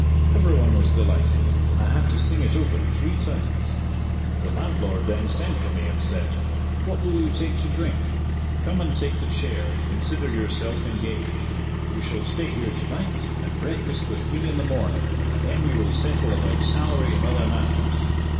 Every one was delighted, and I had to sing it over three times. The landlord then sent for me and said. "What will you take to drink? Come and take the chair, and consider yourself engaged. You shall stay here to night, and breakfast with me in the morning, and then we will settle about salary and other matters."